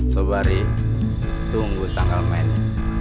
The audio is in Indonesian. sobari tunggu tanggal mainnya